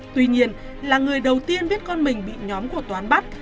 tuy nhiên là người đầu tiên biết con mình bị nhóm của toán bắt